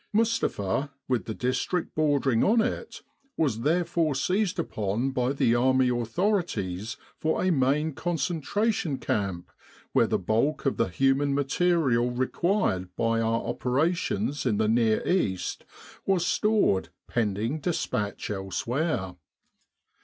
Mustapha with the district bordering on it, was therefore seized upon by the Army authorities for a main concentration camp where the bulk of the human material required by our operations in the Near East was stored pending despatch elsewhere.